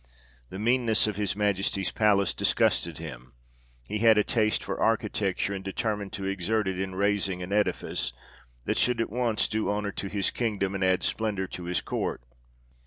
The meanness of his Majesty's palace disgusted him ; he had a taste for architecture, and determined to exert it in raising an edifice, that should at once do honour to his kingdom, and add splendour to his court.